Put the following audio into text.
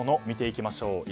見ていきましょう。